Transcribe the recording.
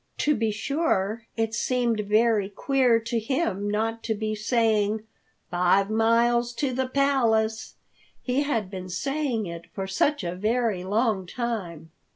To be sure, it seemed very queer to him not to be saying "Five miles to the Palace," he had been saying it for such a very long time.